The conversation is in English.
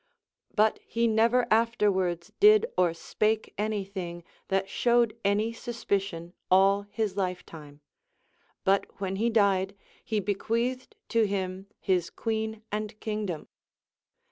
* But he never afterwards did or spake any thing that showed any suspicion all his lifetime ; but when he died, be be queathed to him his queen and kingdom.